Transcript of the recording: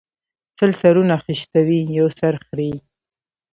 سل سرونه خشتوي ، يو سر خريي